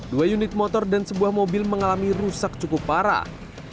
dua unit motor dan sebuah mobil mengalami rusak cukup parah